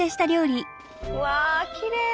うわきれい。